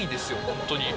本当に。